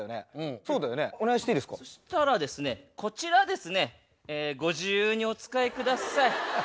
そしたらですねこちらですねご自由にお使い下さい。